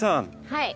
はい。